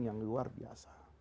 yang luar biasa